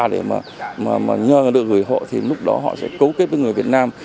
để mà nhờ được gửi họ thì lúc đó họ sẽ cấu kết với người việt nam